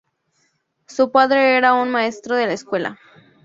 Su padre era un maestro de escuela.